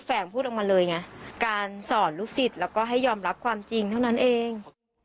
แฝงพูดออกมาเลยไงการสอนลูกศิษย์แล้วก็ให้ยอมรับความจริงเท่านั้นเอง